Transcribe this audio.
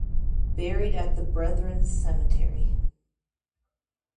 Buried at the Brethren Cemetery.